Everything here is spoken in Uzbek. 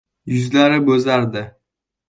Yuzlari bo‘zardi.